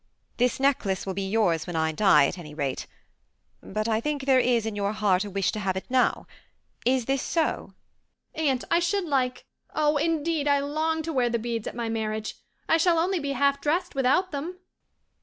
This necklace will be yours when I die, at any rate; but I think there is in your heart a wish to have it now. Is this so?" "Aunt, I should like oh, indeed I long to wear the beads at my marriage. I shall only be half dressed without them."